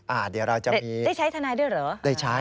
อ้าเดี๋ยวเราจะมีได้ใช้ทนายด้วยเหรอ